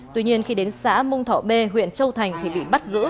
tuy nhiên khi đến xã mông thọ b huyện châu thành thì bị bắt giữ